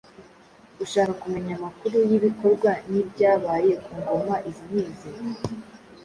Ushaka kumenya amakuru y’ibikorwa n’ibyabaye ku ngoma izi n’izi